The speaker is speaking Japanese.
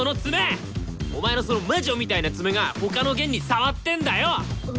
お前のその魔女みたいな爪が他の弦に触ってんだよ！